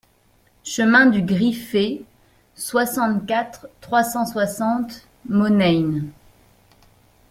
Chemin du Griffet, soixante-quatre, trois cent soixante Monein